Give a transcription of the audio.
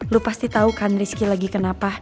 lu pasti tahu kan rizky lagi kenapa